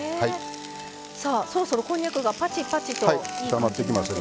さあそろそろこんにゃくがパチパチといい感じになってきました。